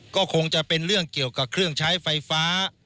ก็คงจะเป็นเรื่องเกี่ยวกับเครื่องใช้ไฟฟ้า